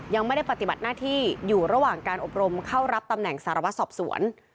ยังไม่ได้ปฏิบัติหน้าที่อยู่ระหว่างการอบรมเข้ารับตำแหน่งสารวัตรสอบสวน